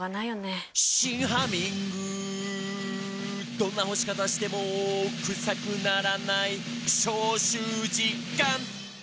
「どんな干し方してもクサくならない」「消臭実感！」